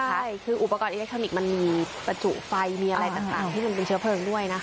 ใช่คืออุปกรณ์อิเล็กทรอนิกส์มันมีประจุไฟมีอะไรต่างที่มันเป็นเชื้อเพลิงด้วยนะคะ